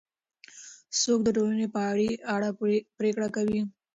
څوک د ټولنې په اړه پرېکړه کوي؟